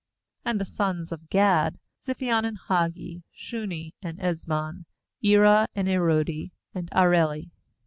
16And the sons of Gad: Ziphion, and Haggi, Shuni, and Ez bon, Eri, and ArocS, and Areli.